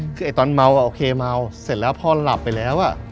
คือไอ้ตอนเมาอ่ะโอเคเมา